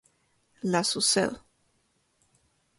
La Saucelle